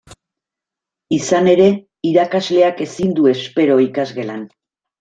Izan ere, irakasleak ezin du espero ikasgelan.